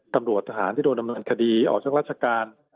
ตำรวจทหารที่โดนดำเนินคดีออกจากราชการ